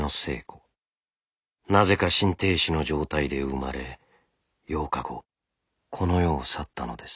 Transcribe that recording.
なぜか心停止の状態で生まれ８日後この世を去ったのです。